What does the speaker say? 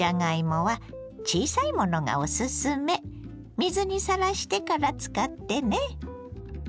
水にさらしてから使ってね。